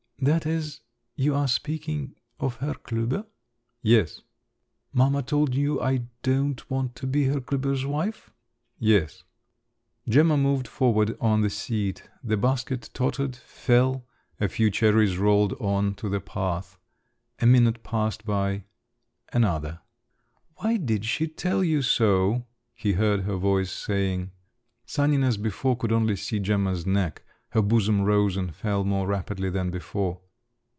"That is … you are speaking … of Herr Klüber?" "Yes." "Mamma told you I don't want to be Herr Klüber's wife?" "Yes." Gemma moved forward on the seat. The basket tottered, fell … a few cherries rolled on to the path. A minute passed by … another. "Why did she tell you so?" he heard her voice saying. Sanin as before could only see Gemma's neck. Her bosom rose and fell more rapidly than before.